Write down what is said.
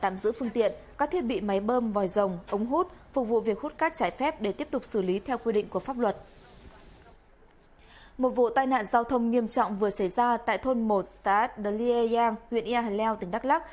một vụ tai nạn giao thông nghiêm trọng vừa xảy ra tại thôn một saat delia yang huyện ia hà leo tỉnh đắk lắc